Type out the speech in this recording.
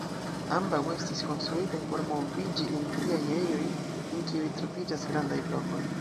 Ambaŭ estis konstruitaj por moviĝi en tiaj ejoj, en kiuj troviĝas grandaj blokoj.